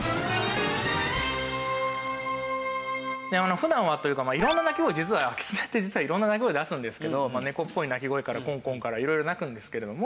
普段はというか色んな鳴き声実はキツネって色んな鳴き声出すんですけど猫っぽい鳴き声からコンコンから色々鳴くんですけれども。